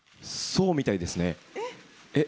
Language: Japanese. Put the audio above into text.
そうみたいですね。